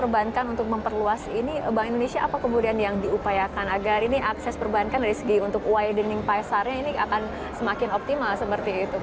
bank indonesia apa kemudian yang diupayakan agar ini akses perbankan dari segi untuk widening paisarnya ini akan semakin optimal seperti itu pak